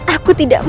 aku tidak mau